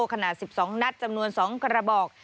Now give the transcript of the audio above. ขนาด๑๒นัดจำนวน๒กระบอก